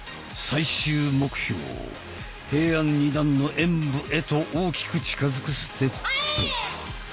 最終目標平安二段の演武へと大きく近づくステップ。